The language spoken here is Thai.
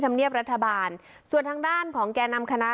ธรรมเรียบรัฐบาลส่วนทางด้านของแก